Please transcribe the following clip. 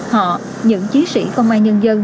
họ những chiến sĩ không ai nhân dân